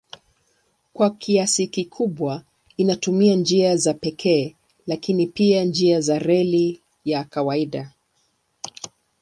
Kwa kiasi kikubwa inatumia njia za pekee lakini pia njia za reli ya kawaida.